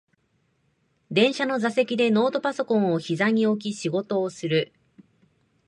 電車の座席でノートパソコンをひざに置き仕事をする